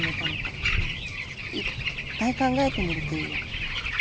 いっぱい考えてみるといいよ